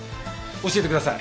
教えてください